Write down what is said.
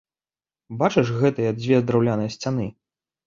Бачыш гэтыя дзве драўляныя сцяны?